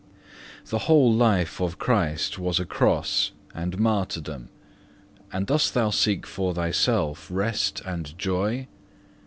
7. The whole life of Christ was a cross and martyrdom, and dost thou seek for thyself rest and joy?